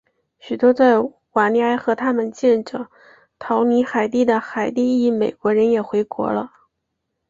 许多在瓦利埃和他们的继任者逃离海地的海地裔美国人也回国了。